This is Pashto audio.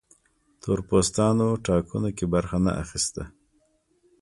تور پوستان ټاکنو کې برخه نه اخیسته.